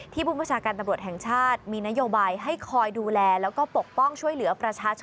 ผู้บัญชาการตำรวจแห่งชาติมีนโยบายให้คอยดูแลแล้วก็ปกป้องช่วยเหลือประชาชน